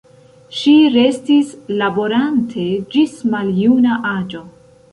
Ŝi restis laborante ĝis maljuna aĝo.